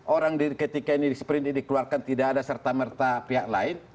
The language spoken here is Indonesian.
orang ketika ini di sprint ini dikeluarkan tidak ada serta merta pihak lain